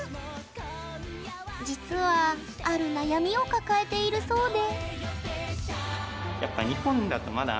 実は、ある悩みを抱えているそうで。